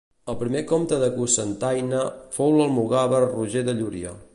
El primer comte de Cocentaina fou l'almogàver Roger de Llúria.